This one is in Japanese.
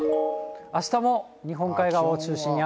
あしたも日本海側を中心に雨。